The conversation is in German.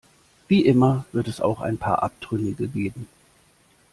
Wie immer wird es auch ein paar Abtrünnige geben.